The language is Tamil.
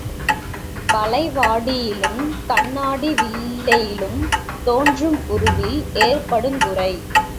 வளைவாடியிலும் கண்ணாடி வில்லையிலும் தோன்றும் உருவில் ஏற்படுங் குறை.